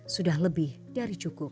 sudah lebih dari cukup